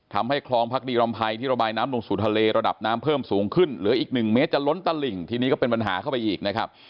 ทำให้คลองพักดีรำภัยที่ระบายน้ำลงสู่ทะเลระดับน้ำเพิ่มสูงขึ้นเหลืออีกหนึ่งเมตรจะล้นตลิ่งทีนี้ก็เป็นปัญหาเข้าไปอีกนะครับ